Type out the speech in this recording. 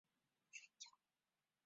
阿伯表示阿三在睡觉